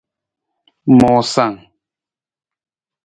Moosang.